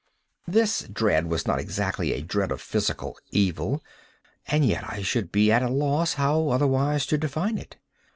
This dread was not exactly a dread of physical evil—and yet I should be at a loss how otherwise to define it.